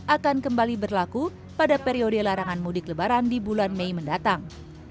akan kembali berlaku pada periode larangan mudik lebaran di bulan mei mendatang